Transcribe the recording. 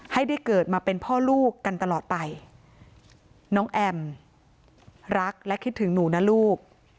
ให้ได้เกิดมาเป็นพ่อลูกกันตลอดไปน้องแอมรักและคิดถึงหนูนะลูก